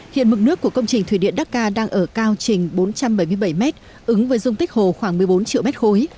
hiện mực nước của công trình thủy điện đắc ca đang ở cao trình bốn trăm bảy mươi bảy mét ứng với dung tích hồ khoảng một mươi bốn triệu mét khối